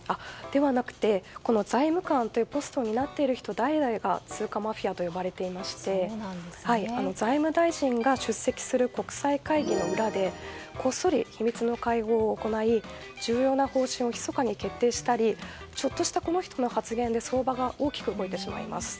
ではなくて、財務官というポストになっている人代々が通貨マフィアと呼ばれていまして財務大臣が出席する国際会議の裏でこっそり秘密の会合を行い重要な方針を密かに決定したりちょっとしたこの人の発言で相場が大きく動いてしまいます。